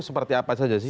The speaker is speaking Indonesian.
seperti apa saja sih